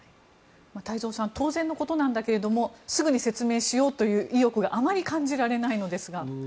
太蔵さん当然のことなんだけれどすぐに説明しようという意欲があまり感じられないのですが。